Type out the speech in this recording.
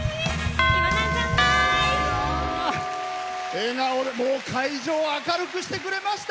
笑顔で会場を明るくしてくれました。